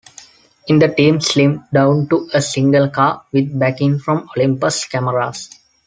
In the team slimmed down to a single car, with backing from Olympus Cameras.